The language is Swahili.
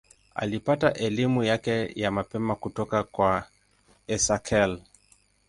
Alipata elimu yake ya mapema kutoka kwa Esakhel.